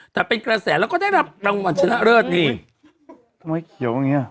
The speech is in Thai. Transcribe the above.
แต่เป็นกระแสแล้วก็ได้รับรางวัลชนะเลิศนี่ทำไมเขียวอย่างเงี้ย